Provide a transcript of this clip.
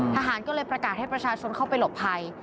ทหารก็เลยประกาศให้ประชาชนเข้าไปหลบภัย